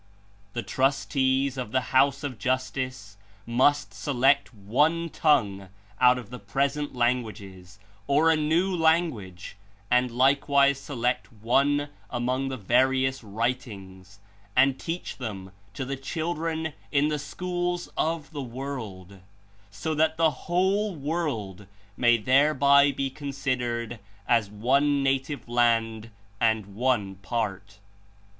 "The trustees of the House of Justice must select one tongue out of the present languages, or a new language, and likewise select one among the various writings, and teach them to the children In the schools of the world, so that the whole world may thereby be considered as one native land and one part."